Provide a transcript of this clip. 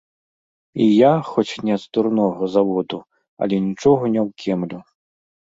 І я, хоць не з дурнога заводу, але нічога не ўкемлю.